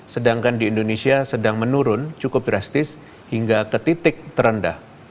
sedangkan di indonesia sedang menurun cukup drastis hingga ke titik terendah